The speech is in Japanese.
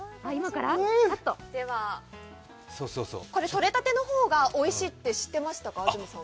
ではこれとれたての方がおいしいって、知ってました？